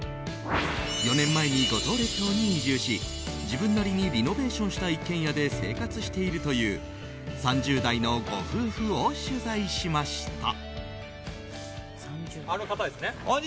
４年前に、五島列島に移住し自分なりにリノベーションした一軒家で生活しているという３０代のご夫婦を取材しました。